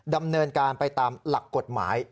ดำเนินการไปตามหลักกฎหมาย